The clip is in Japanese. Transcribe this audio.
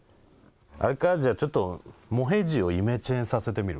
あれかじゃあちょっともへじをイメチェンさせてみるか。